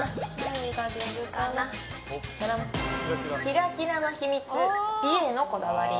キラキラの秘密美へのこだわり。